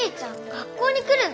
学校に来るの？